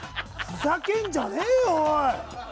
ふざけんじゃねえよ、おい！